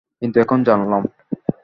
কিন্তু, এখন জানলাম।